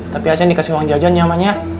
tapi aceh dikasih uang jajan ya ma